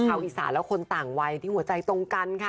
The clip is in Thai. อีสานและคนต่างวัยที่หัวใจตรงกันค่ะ